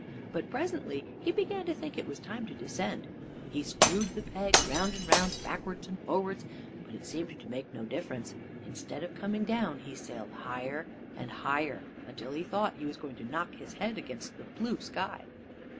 But presently he began to think it was time to descend. He screwed the peg round and round, backwards and forwards, but it seemed to make no difference. Instead of coming down he sailed higher and higher, until he thought he was going to knock his head against the blue sky.